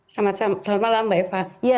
selamat malam mbak eva